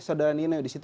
saudara nino di situ